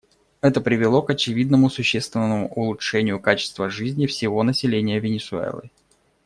Это привело к очевидному существенному улучшению качества жизни всего населения Венесуэлы.